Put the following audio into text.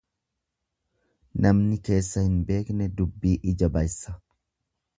Namni keessa hin beekne dubbii lja baysa.